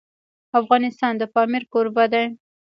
افغانستان د پامیر کوربه دی.